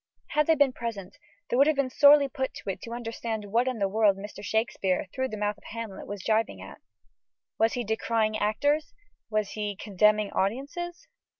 Had they been present, they would have been sorely put to it to understand what in the world Mr. Shakespeare, through the mouth of Hamlet, was gibing at. Was he decrying actors? Was he contemning audiences?